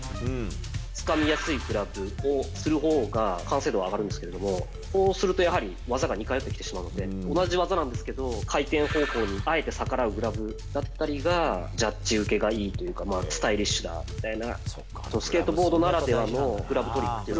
つかみやすいグラブをするほうが完成度は上がるんですけどそうすると技が２回きてしまうので同じ技なんですけど回転方向にあえて逆らうグラブだったりがジャッジ受けがいいというかスタイリッシュだみたいな。